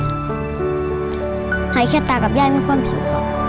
ผมก็อยากให้เจ้ากับย่ายไม่ความสุข